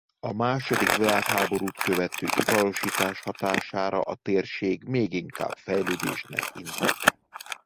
A második világháborút követő iparosítás hatására a térség még inkább fejlődésnek indult.